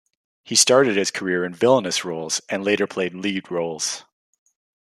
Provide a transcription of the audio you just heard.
He started his career in villainous roles and later played lead roles.